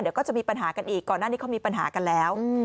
เดี๋ยวก็จะมีปัญหากันอีกก่อนหน้านี้เขามีปัญหากันแล้ว